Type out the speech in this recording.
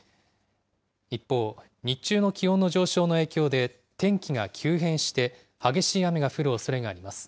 一方、日中の気温の上昇の影響で、天気が急変して、激しい雨が降るおそれがあります。